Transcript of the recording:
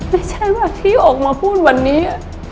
ไม่ใช่ว่าที่ออกมาพูดวันนี้